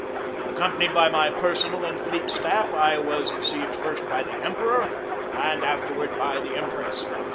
Accompanied by my personal and fleet staff I was received first by the Emperor and afterward by the Empress.